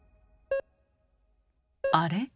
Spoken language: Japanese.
あれ？